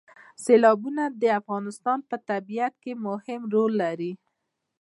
سیلابونه د افغانستان په طبیعت کې مهم رول لري.